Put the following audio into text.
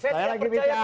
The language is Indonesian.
saya sedang percaya